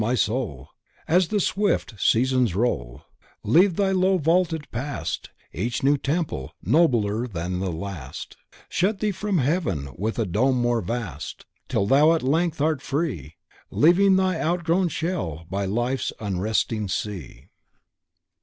my soul, As the swift seasons roll, Leave thy low vaulted past; Let each new temple, nobler than the last, Shut thee from heaven with a dome more vast. Till thou at length art free, Leaving thy outgrown shell by life's unresting sea."